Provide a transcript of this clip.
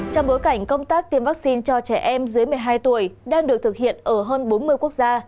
trong bối cảnh công tác tiêm vaccine cho trẻ em dưới một mươi hai tuổi đang được thực hiện ở hơn bốn mươi quốc gia